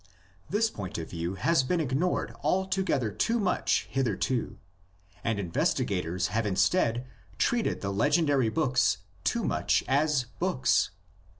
This point of view has been ignored altogether too much hitherto, and investigators have instead treated the legendary books too much as "books."